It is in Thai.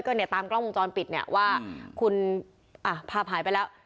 เนี่ยตามกล้องวงจรปิดเนี่ยว่าคุณอ่ะภาพหายไปแล้ว